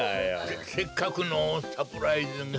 せせっかくのサプライズが。